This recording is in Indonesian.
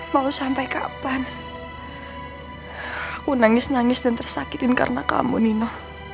mau sampai kapan aku nangis nangis dan tersakitin karena kamu nina